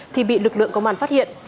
thì bị lực lượng công an phát hiện